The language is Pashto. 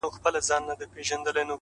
دوه زړونه په سترگو کي راگير سوله’